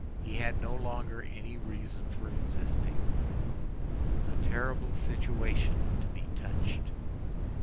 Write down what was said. He had no longer any reason for existing. A terrible situation! to be touched.